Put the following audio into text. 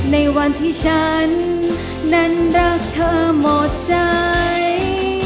ในวันที่ฉันนั้นรักเธอหมดใจ